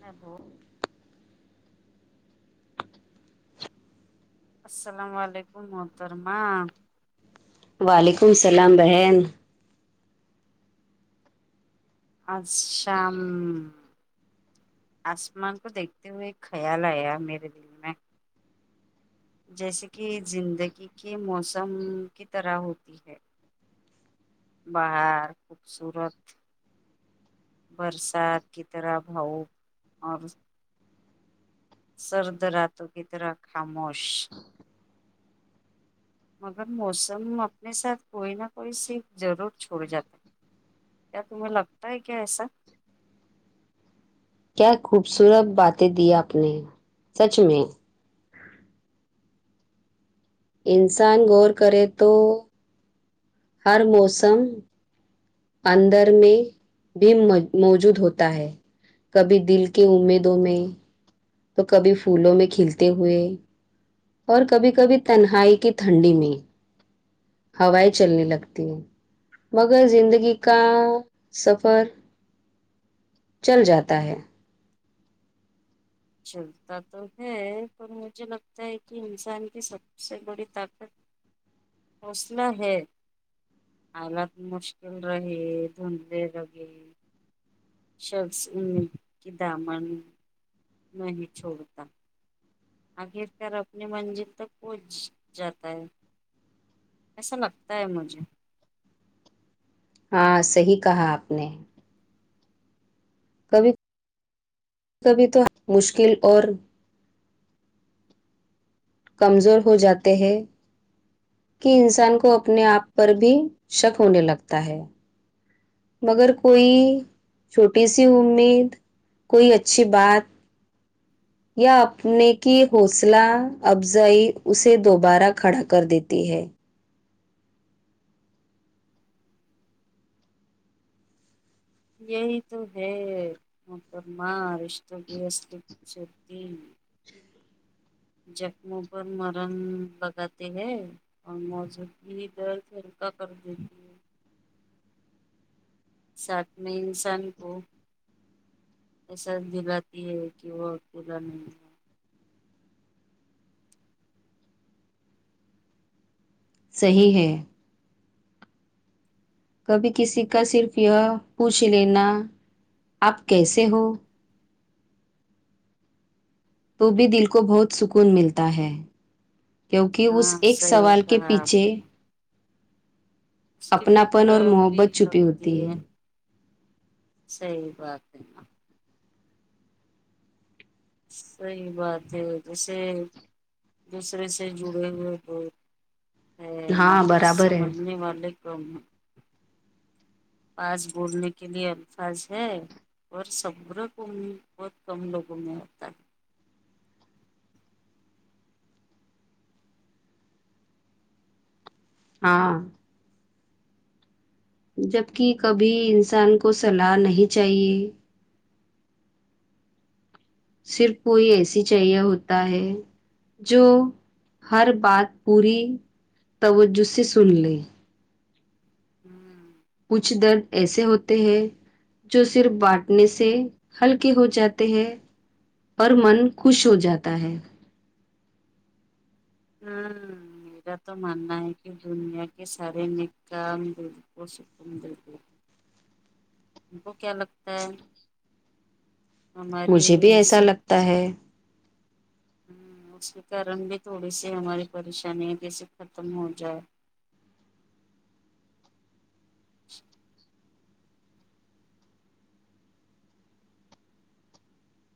ہاںبو السلام و علیکم محترمہ وعلیکم السلام بہن اج شام آسمان کو دیکھتے ہوئے ایک خیال آیا میرے دل میں جیسے کہ زندگی کے موسم کی طرح ہوتی ہے باہر خوبصورت برسات کی طرح بھاؤ اور سرد راتوں کی طرح خاموش مگر موسم اپنے ساتھ کوئی نہ کوئی صرف ضرور چھوڑ جاتا ہے کیا تمہیں لگتا ہے کیا ایسا کیا خوبصورت باتیں دی آپ نے سچ میں انسان غور کرے تو ہر موسم اندر میں بھی موجود ہوتا ہے کبھی دل کے امیدوں میں تو کبھی پھولوں میں کھلتے ہوئے اور کبھی کبھی تنہائی کی ٹھنڈی میں ہوائیں چلنے لگتی ہیں مگر زندگی کا سفر چل جاتا ہے چلتا تو ہے پر مجھے لگتا ہے کہ انسان کی سب سے بڑی طاقت حوصلہ ہے حالت مشکل رہی دھونڈنے لگے شخص ان کی دامن نہیں چھوڑتا آخر کار اپنی منزل تک پہنچ جاتا ہے ایسا لگتا ہے مجھے ہاں صحیح کہا آپ نے کبھی کبھی تو مشکل اور کمزور ہو جاتے ہیں کہ انسان کو اپنے آپ پر بھی شک ہونے لگتا ہے مگر کوئی چھوٹی سی امید کوئی اچھی بات یا اپنے کی حوصلہ افزائی اسے دوبارہ کھڑا کر دیتی ہے یہی تو ہے مکرمہ رشتوں کیس پچھتی جخموں پر مرم لگاتے ہے اور موجوود بھی درد ہلکا کر دیتی ہے ساتھ میں انسان کو احساس دلاتی کہ وہ بھولا نہیں صحیح ہے کبھی کسی کا صرف یہ پوچھ لینا آپ کیسے ہو تو بھی دل کو بہت سکون ملتا ہے کیونکہ اس ہاں ایک صحیح سوال کے کہا آپ نے پیچھے اس کی اپناپن فکر اور بھی محبت چھپی ہوتی لگتی ہے صحیح بات ہے ن صحیح بات ہے جیسے دوسرے سے جڑے ہوئے بہ ہاں مگر برابر ہے سمجھنے والے کم ہیں پاس بولنے کے لیے الفاظ ہے اور صبر کومی و کم لوگوں میں ہوتا ہے ہاں جبکی کبھی انسان کو صلاح نہیں چاہیے صرف کوئی اے سی چاہیے ہوتا ہے جو ہر بات پوری توجہ سے سن لے ہں کچھ درد ایسے ہوتے ہیں جو صرف باٹنے سے ہلکے ہو جاتے ہیں اور من خوش ہو جاتا ہے ہاں میرا تو ماننا ہے کہ دنیا کے سارے نیک کام دل کو سکون دیتے ہے ان کو کیا لگتا ہے ہماری مجھے بھی ایسا سے لگتا ہے ہ اس کے کارن بھی تھوڑی سی ہماری پریشانییا جیسے ختم ہو جائے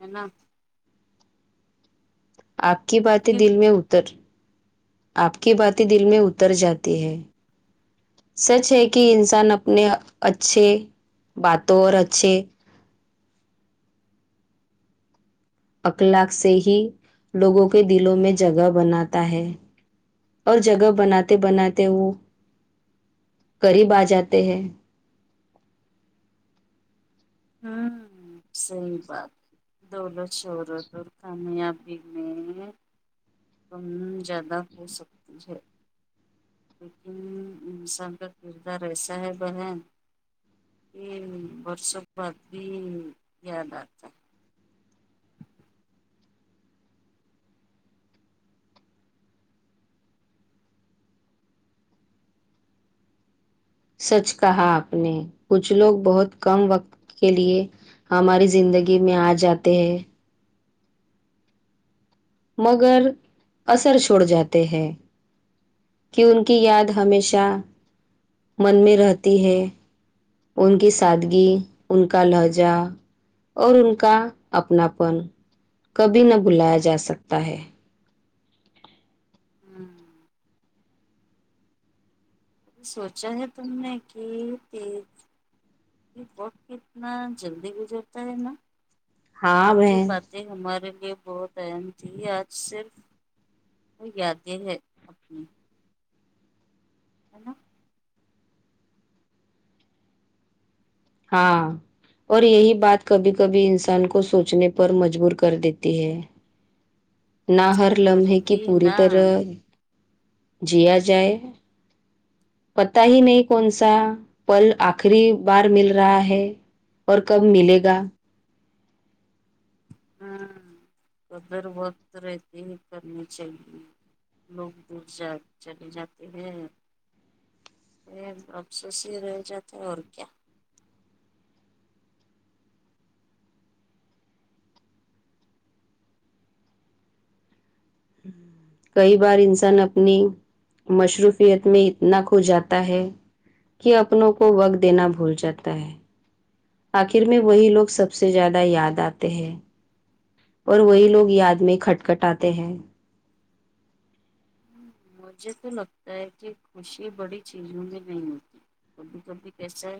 ہے نہ آپ کی باتیں دل میں اتر آپ کی باتیں دل میں اتر جاتی ہے سچ ہے کہ انسان اپنے اچھے باتوں اور اچھے اخلاق سے ہی لوگوں کے دلوں میں جگہ بناتا ہے اور جگہ بناتے بناتے وہ قریب آ جاتے ہیں ہاں صحیح بات ہے دولت شہرت اور کامیابی میں کم زیادہ ہو سکتی ہے لیکن انسان کا کردار ایسا ہے بہن یہ برسوں بعد بھی یاد آتا ہے جی سچ کہا آپ نے کچھ لوگ بہت کم وقت کے لیے ہماری زندگی میں آ جاتے ہیں مگر اثر چھوڑ جاتے ہیں کہ ان کی یاد ہمیشہ من میں رہتی ہے ان کی سادگی ان کا لہجہ اور ان کا اپناپن کبھی نہ بھلایا جا سکتا ہے ہوں سوچا ہے تم نے کہ تے وقت کتنا جلدی گزرتا ہے نا ہاں اور جو بات بہن باتیں ہمارے لیے بہت اہم تھی آج صرف یادیں ہے اپنی ہلو ہاں اور یہی بات کبھی کبھی انسان کو سوچنے پر مجبور کر دیتی ہے نہ ہر کرے لمحے کہ گی پوری نا طرح جیا جائے پت ہی نہیں کون سا پل آخری بار مل رہا ہے اور کب ملے گا ہاں قدر وقت رہتے ہی کرنی چاہیے لوگ دور جا چلے جاتے ہیں یہ افسوس ہی رہ جاتا ہے اور کیا کئی بار انسان اپنی مصروفیت میں اتنا کھو جاتا ہے کہ اپنوں کو وقت دینا بھول جاتا ہے آخر میں وہی لوگ سب سے زیادہ یاد آتے ہیں اور وہی لوگ یاد میں کھٹ کٹاتے ہیں مجھے تو لگتا ہے کہ خوشی بڑی چیزوں میں نہیں ہوتی سبی سبی کیس ہے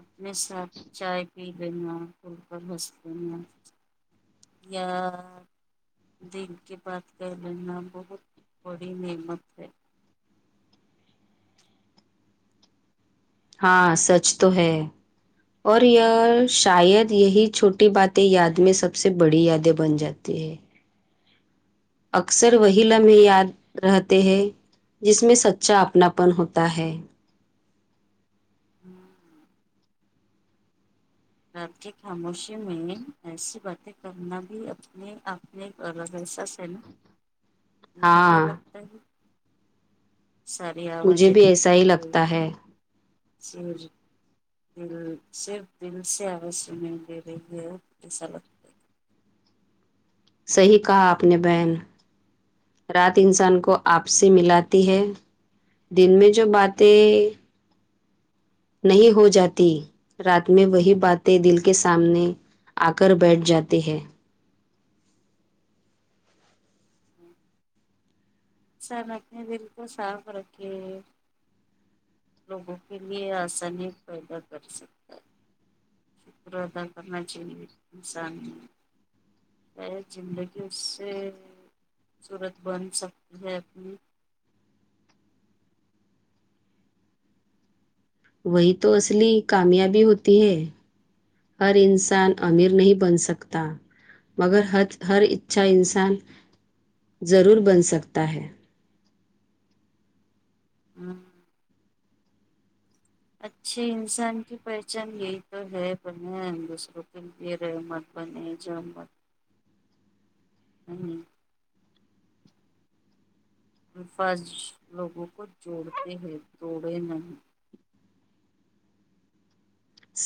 اپنے ساتھ چائے پی لینا پور پر ہنس دینا یا دل کی بات کر لینا بہت بڑی نعمت ہے ہاں سچ تو ہے اور یہ شاید یہی چھوٹی باتیں یاد میں سب سے بڑی یادیں بن جاتی ہے اکثر وہی لمحے یاد رہتے ہیں جس میں سچا اپناپن ہوتا ہے ہ رات خاموشی میں ایسی باتیں کرنا بھی اپنے آپ نہیں کر رہ ا ساس ہے نا ان کو کیا ہاں لگتا ہے سا مجھے بھی ایسا ہی لگتا ہے [unintelligible] [unintelligible] دل سے آواز نہیں دے رہے ہے ایسا لاگتا صحیح کہا آپ نے بہن رات انسان کو آپ سے ملاتی ہے دن میں جو باتیں نہیں ہو جاتی رات میں وہی باتیں دل کے سامنے آ کر بیٹھ جاتی ہے سر اپنے دل کو صاف رکھے لوگوں کے لیے آسانی پیدا کر سکتا ہے شکر ادا کرنا چاہیے انسان میں زندگی اس سے خوبصورت بن سکتی ہے اپنی وہی تو اصلی کامیابی ہوتی ہے ہر انسان امیر نہیں بن سکتا مگر ہت ہر اچھا انسان ضرور بن سکتا ہے ہوں اچھی انسان کی پہچان یہی تو ہے بہینن دوسروں کے لیے رہمت بنے جی ہمب نہیںی الفاظش لوگوں کو جوڑتے ہیں دوڑے نہیں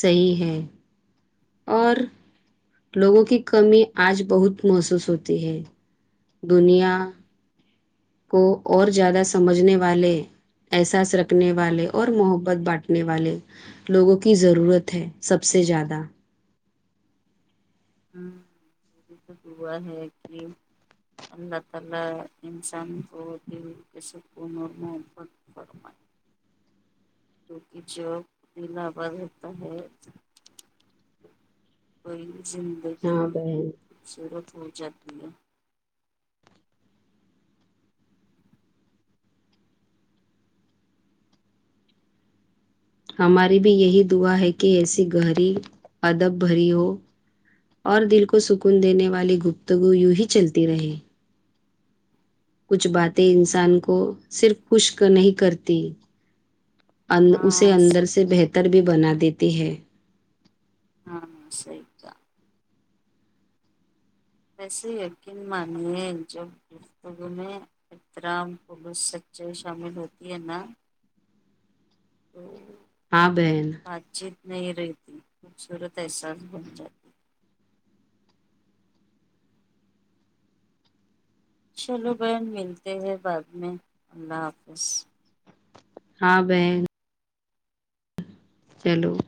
صحیح ہے اور لوگوں کی کمی آج بہت محسوس ہوتی ہے دنیا کو اور زیادہ سمجھنے والے احساس رکھنے والے اور محبت بانٹنے والے لوگوں کی ضرورت ہے سب سے زیادہ ہا یہ بھی تو ہوا ہے کہ اللہ تالا انسن کو دی کے سک نورم فرماے کیوکی جو دنیا بناتا ہے کوئی زندگی ہاں بھی بہن خوبصورت ہو جاتی ہے ہماری بھی یہی دعا ہے کہ ایسی گہری ادب بھری ہو اور دل کو سکون دینے والی گفتگو یوں ہی چلتی رہے کچھ باتیں انسان کو صرف خشک نہیں کرتی اند ان اسے ہاں اندر صحیح سے بہتر بھی بنا دیتی ہے ہاں سہی کا ویسے یقین مانیے جب گفتگو میں احترام پولوس سچائی شامل ہوتی ہے ن تو ہاں بہن بات چیت نہیں رہتی خوبصورت احساس بن جاتی چلو بہن ملتے ہے بعد میں اللہ حافظ ہاں بہن چلو